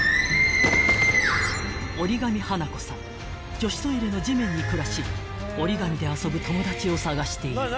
［女子トイレの地面に暮らし折り紙で遊ぶ友達を探している］